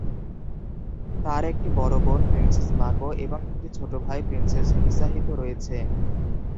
তার একটি বড় বোন, প্রিন্সেস মাকো, এবং একটি ছোট ভাই, প্রিন্স হিসাহিতো রয়েছে।